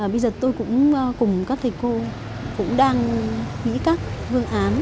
bây giờ tôi cũng cùng các thầy cô cũng đang nghĩ các vương án